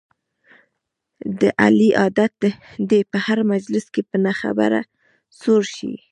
د علي عادت دی په هر مجلس کې په نه خبره سور شي.